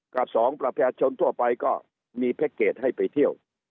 กับสองประชาชนทั่วไปก็มีแพ็คเกจให้ไปเที่ยว